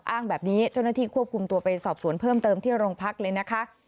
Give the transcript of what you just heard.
อ้างแบบนี้เจ้าหน้าที่ควบคุมตัวไปสอบสวนเพิ่มเติมที่โรงพักเลยนะคะ